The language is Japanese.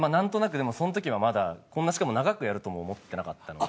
でもその時はまだこんなしかも長くやるとも思ってなかったので。